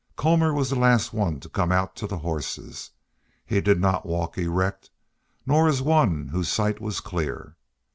Colmor was the last one to come out to the horses. He did not walk erect, nor as one whose sight was clear.